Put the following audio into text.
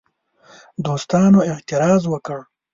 دوستانو اعتراض وکړ.